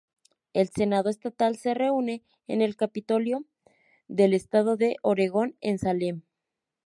El Senado Estatal se reúne en el Capitolio del Estado de Oregón en Salem.